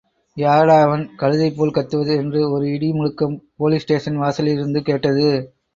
யாரடா அவன் கழுதை போல்கத்துவது என்று ஒரு இடி முழக்கம் போலீஸ் ஸ்டேஷன் வாசலில் இருந்து கேட்டது.